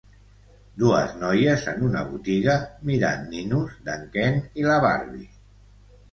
Dues noies en una botiga mirant ninos d'en Ken i la Barbie.